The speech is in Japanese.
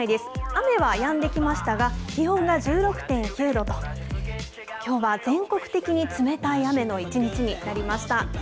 雨はやんできましたが、気温が１６．９度と、きょうは全国的に冷たい雨の一日になりました。